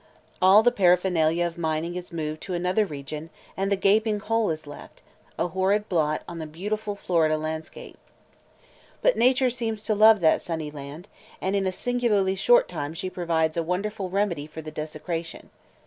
All the paraphernalia of mining is moved to another region and the gaping hole is left, a horrid blot in the beautiful Florida landscape. But nature seems to love that sunny land, and in a singularly short time she provides a wonderful remedy for the desecration.